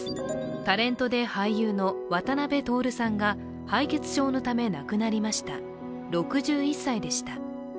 タレントで俳優の渡辺徹さんが敗血症のため亡くなりました、６１歳でした。